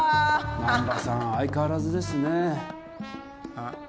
難破さん相変わらずですね。あっ？